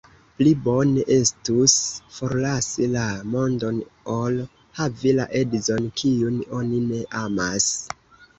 Pli bone estus forlasi la mondon, ol havi la edzon, kiun oni ne amas.